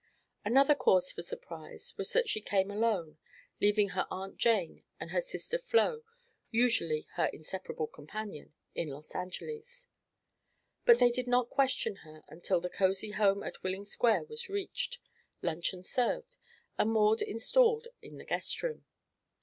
Another cause for surprise was that she came alone, leaving her Aunt Jane and her sister Flo usually her inseparable companion in Los Angeles. But they did not question her until the cosy home at Willing Square was reached, luncheon served and Maud installed in the "Guest Room."